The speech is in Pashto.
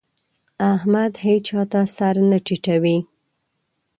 احمد هيچا ته سر نه ټيټوي.